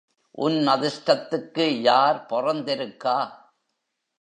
உன் அதிஷ்டத்துக்கு யார் பொறந்திருக்கா.